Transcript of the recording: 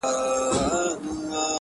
په شنو طوطیانو ښکلی ښکلی چنار!